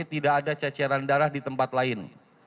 tidak ada ceceran darah di tempat lain